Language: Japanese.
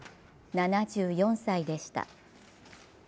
７４歳でした。